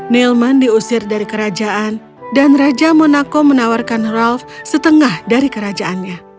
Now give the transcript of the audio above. nelman diusir dari kerajaan dan raja monaco menawarkan ralf setengah dari kerajaannya